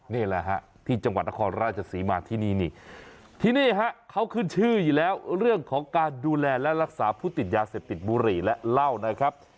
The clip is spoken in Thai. นี่แหละฮะที่จังหวัดนครราชศรีมาที่นี่นี่ที่นี่ฮะเขาขึ้นชื่ออยู่แล้วเรื่องของการดูแลและรักษาผู้ติดยาเสพติดบุหรี่และเหล้านะครับ